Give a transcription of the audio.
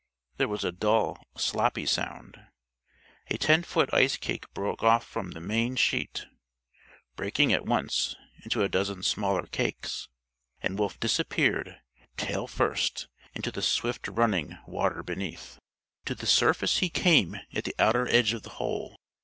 There was a dull, sloppy sound. A ten foot ice cake broke off from the main sheet; breaking at once into a dozen smaller cakes; and Wolf disappeared, tail first, into the swift running water beneath. To the surface he came, at the outer edge of the hole.